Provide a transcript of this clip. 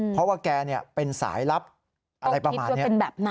เพราะว่าแกเป็นสายลับอะไรประมาณนี้